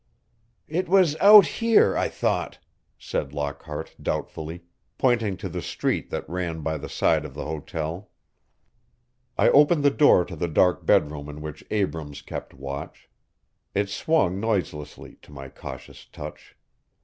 "It was out here, I thought," said Lockhart doubtfully, pointing to the street that ran by the side of the hotel. I opened the door to the dark bedroom in which Abrams kept watch. It swung noiselessly to my cautious touch.